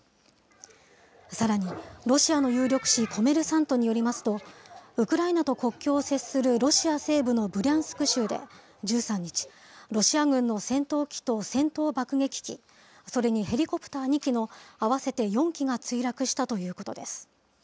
さらに、ロシアの有力紙コメルサントによりますと、ウクライナと国境を接するロシア西部のブリャンスク州で１３日、ロシア軍の戦闘機と戦闘爆撃機、それにヘリコプター２機の合わせて４機が墜落したということです。